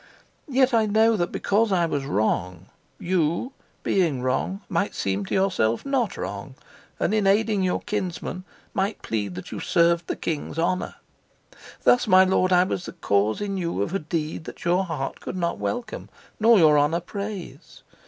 Yet I know that because I was wrong, you, being wrong, might seem to yourself not wrong, and in aiding your kinsman might plead that you served the king's honor. Thus, my lord, I was the cause in you of a deed that your heart could not welcome nor your honor praise.